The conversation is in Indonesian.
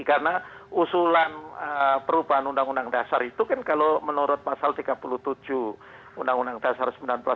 karena usulan perubahan undang undang dasar itu kan kalau menurut mas arsul tiga puluh tujuh undang undang dasar seribu sembilan ratus empat puluh lima